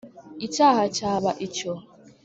icyaha cyaba icyo.